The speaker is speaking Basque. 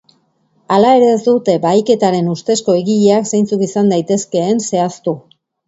Hala ere ez dute bahiketaren ustezko egileak zeintzuk izan daitezkeen zehaztu.